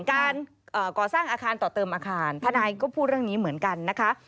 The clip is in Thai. การก่อสร้างอาคารต่อเติมอาคารทนายก็พูดเรื่องนี้เหมือนกันนะคะ